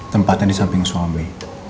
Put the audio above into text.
tempatnya di samping suami